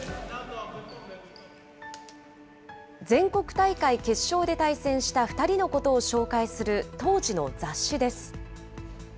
全国大会決勝で対戦した２人のことを紹介する当時の雑誌です。